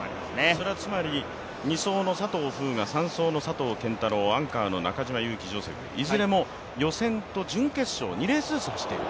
それはつまり、２走の佐藤風雅、３走の佐藤拳太郎、アンカーの中島佑気ジョセフ、いずれも予選と準決勝、２レースずつ走ってる。